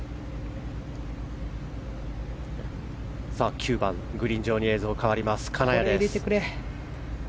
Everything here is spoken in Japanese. ９番、グリーン上に映像が変わって金谷です。